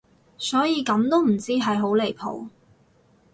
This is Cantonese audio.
所以咁都唔知係好離譜